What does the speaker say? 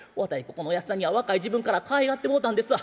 ここのおやっさんには若い時分からかわいがってもうたんですわ。